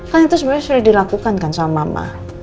kan itu sebenarnya sudah dilakukan kan sama mama